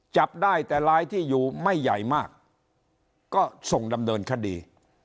จับได้แต่ลายที่อยู่ไม่ใหญ่มากก็ส่งดำเนินคดี